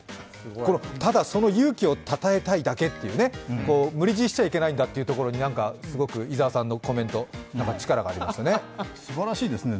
ただ、その勇気をたたえたいだけという、無理強いしちゃいけないんだっていうのがすごく伊沢さんのコメント、力がありましたね。